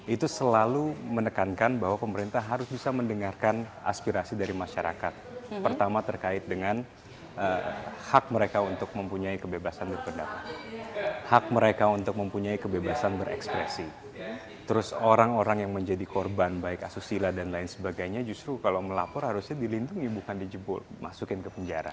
itu selalu menekankan bahwa pemerintah harus bisa mendengarkan aspirasi dari masyarakat pertama terkait dengan hak mereka untuk mempunyai kebebasan berpendapat hak mereka untuk mempunyai kebebasan berekspresi terus orang orang yang menjadi korban baik asusila dan lain sebagainya justru kalau melapor harusnya dilindungi bukan di jebul masukin ke penjara